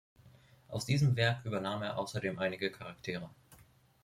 Aus diesem Werk übernahm er außerdem einige Charaktere.